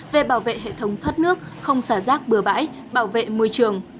về bảo vệ hệ thống thoát nước không xả rác bừa bãi bảo vệ môi trường